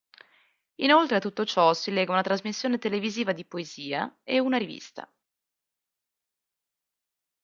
Inoltre a tutto ciò si lega una trasmissione televisiva di poesia e una rivista.